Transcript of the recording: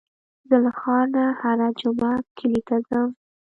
زه له ښار نه هره جمعه کلي ته ځم.